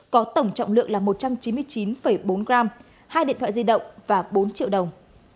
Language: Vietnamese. có tổng trọng lượng là một trăm chín mươi chín bốn gram hai điện thoại di động và bốn triệu đồng